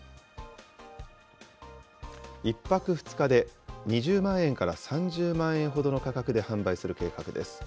１泊２日で２０万円から３０万円ほどの価格で販売する計画です。